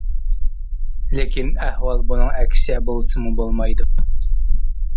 لېكىن ئەھۋال بۇنىڭ ئەكسىچە بولسىمۇ بولمايدۇ.